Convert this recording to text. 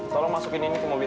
tolong masukin ini ke mobil